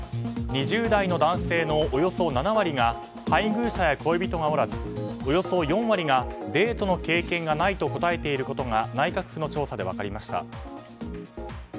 ２０代の男性のおよそ７割が配偶者や恋人がおらずおよそ４割が、デートの経験がないと答えていることが内閣府の調査で分かりました。